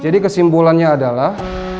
jadi kesimpulannya adalah